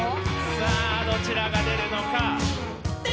さあどちらが出るのか。